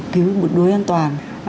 cứu đuối an toàn